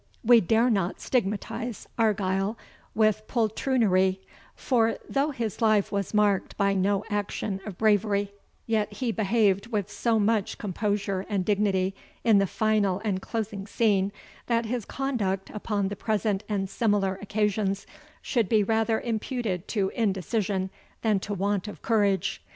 We dare not stigmatize Argyle with poltroonery; for, though his life was marked by no action of bravery, yet he behaved with so much composure and dignity in the final and closing scene, that his conduct upon the present and similar occasions, should be rather imputed to indecision than to want of courage.